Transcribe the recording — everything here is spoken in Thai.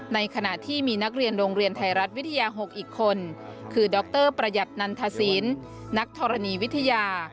ในขณะที่มีนักเรียนโรงเรียนไทยรัฐวิทยา๖อีกคนคือดรประหยัดนันทศิลป์นักธรณีวิทยา